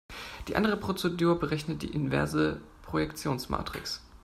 Die andere Prozedur berechnet die inverse Projektionsmatrix.